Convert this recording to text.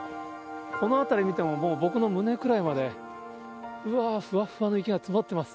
この辺り見ても、もう僕の胸くらいまで、うわー、ふわふわの雪が積もってます。